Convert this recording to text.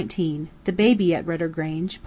THE BABY AT RUDDER GRANGE.